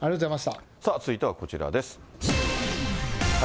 続いてはこちらです。